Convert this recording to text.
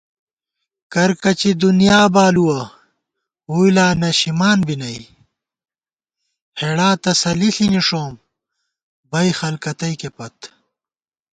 کرکچی دُنیا بالُوَہ ووئی لا نشِمان بی نئ * ہېڑا تسلی ݪی نِݭوم بئ خلَکہ تئیکے پت